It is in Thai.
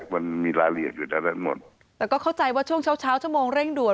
มันมีรายละเอียดอยู่ได้หมดแต่ก็เข้าใจว่าช่วงเช้าเช้าชั่วโมงเร่งด่วน